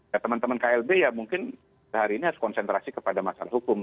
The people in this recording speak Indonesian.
ya teman teman klb ya mungkin sehari ini harus konsentrasi kepada masalah hukum